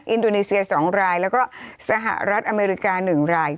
อินโดนีเซีย๒รายแล้วก็สหรัฐอเมริกา๑ราย